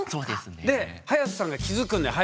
で隼人さんが気付くんだよ。